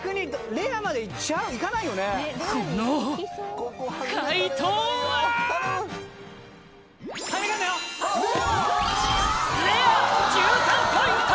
レア１３ポイント！